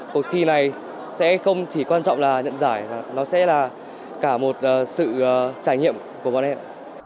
cuộc thi này sẽ không chỉ quan trọng là nhận giải nó sẽ là cả một sự trải nghiệm của bọn em